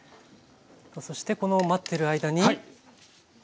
そしてこの待ってる間に丼。